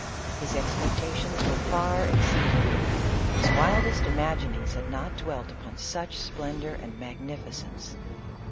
His expectations were far exceeded, — his wild est imaginings had not dwelt upon such splendor and magnificence.